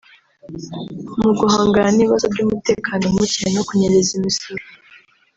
Mu guhangana n’ibibazo by’umutekano muke no kunyereza imisoro